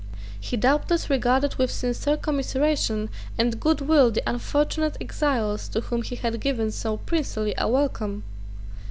He doubtless regarded with sincere commiseration and good will the unfortunate exiles to whom he had given so princely a welcome.